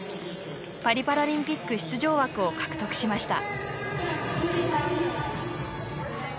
パリパラリンピック出場枠を獲得しました。